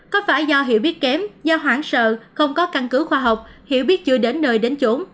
có phải do hiểu biết kém do hoảng sợ không có căn cứ khoa học hiểu biết chưa đến nơi đến chỗ